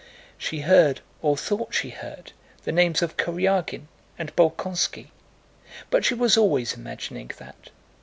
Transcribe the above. She heard, or thought she heard, the names of Kurágin and Bolkónski. But she was always imagining that.